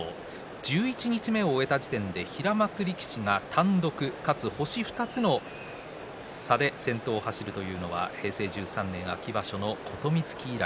十一日目を終えた時点で平幕力士が単独かつ星２つの差で先頭を走るというのは平成１３年秋場所の琴光喜以来。